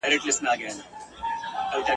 که سړه شپه اوږده سي ..